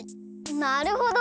なるほど。